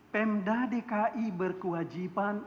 pemda dki berkewajiban